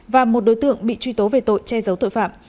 và một đối tượng bị truy tố về tội che giấu tội phạm